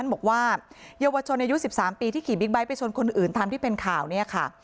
บอกว่าเยาวชนอายุ๑๓ปีที่ขี่บิ๊กไบท์ไปชนคนอื่นตามที่เป็นข่าวเนี่ยค่ะ